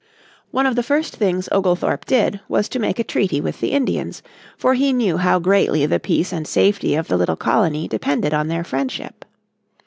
One of the first things Oglethorpe did was to make a treaty with the Indians, for he knew how greatly the peace and safety of the little colony depended on their friendship.